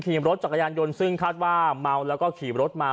ขี่รถจักรยานยนต์ซึ่งคาดว่าเมาแล้วก็ขี่รถมา